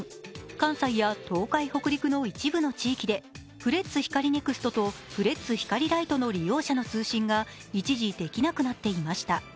関西や東海・北陸の一部の地域でフレッツ光ネクストとフレッツ光ライトの利用者の通信が一時できなくなってしまっていました。